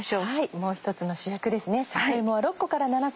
もう１つの主役ですね。